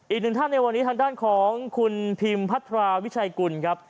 อีกหนึ่งท่านในวันนี้ทางด้านของคุณพิมพัทราวิชัยกุลครับ